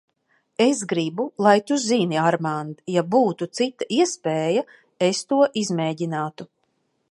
Es gribu, lai tu zini, Armand, ja būtu cita iespēja, es to izmēģinātu.